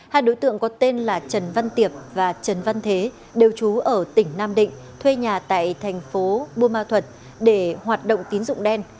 hai đối tượng có tên là trần văn tiệp và trần văn thế đều trú ở tỉnh nam định thuê nhà tại thành phố buôn ma thuật để hoạt động tín dụng đen